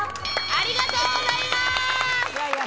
ありがとうございます！